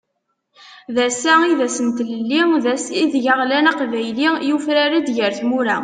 D ass-a i d ass n tlelli, d ass ideg aɣlan aqbayli, yufrar-d ger tmura.